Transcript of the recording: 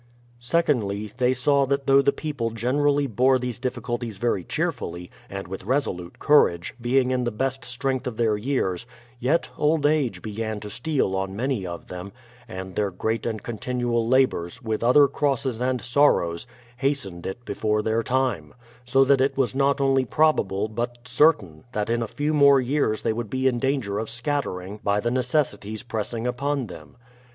Secondly, they saw that though the people generally bore these difficulties very cheerfully, and with resolute courage, being in the best strength of their years ; yet old age began to steal on many of them, and their great and continual labours, with other crosses and sorrows, hastened it before their time; so that it was not only probable, but certain, that in a few more years they would be in danger of scatter ing by the necessities pressing upon them.